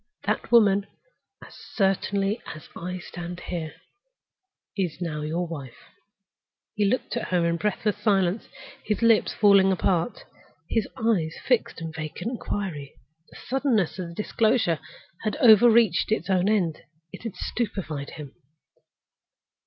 That woman—as certainly as I stand here—is now your wife." He looked at her in breathless silence, his lips falling apart, his eyes fixed in vacant inquiry. The suddenness of the disclosure had overreached its own end. It had stupefied him.